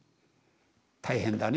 「大変だね」